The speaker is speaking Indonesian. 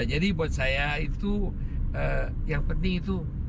jadi buat saya itu yang penting itu